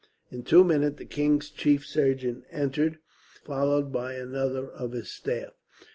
In two minutes the king's chief surgeon entered, followed by another of his staff.